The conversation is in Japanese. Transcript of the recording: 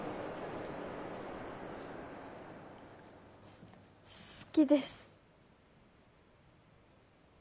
す好きです。